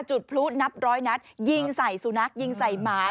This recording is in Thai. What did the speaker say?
จุดพลุนับร้อยนัดยิงใส่สุนัขยิงใส่หมา